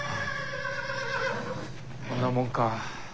こんなもんか。